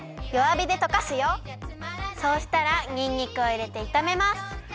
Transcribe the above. そうしたらにんにくをいれていためます。